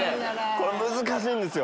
これね難しいんですよ。